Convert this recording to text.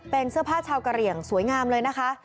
เป็นเสื้อผ้าชาวกะเหลี่ยงสวยงามเลยนะคะ